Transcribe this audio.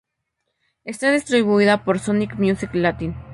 Está distribuida por Sony Music Latin.